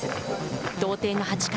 同点の８回。